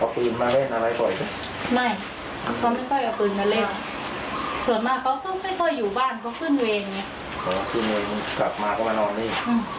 คือเมืองกลับมาก็มานอนแรงดี